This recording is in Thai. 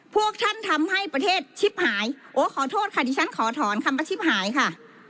พวกท่านทำให้ประเทศชิบหายโอ้ขอโทษค่ะดิฉันขอถอนคำอาชีพหายค่ะ